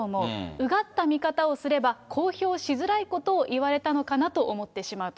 うがった見方をすれば、公表しづらいことを言われたのかなと思ってしまうと。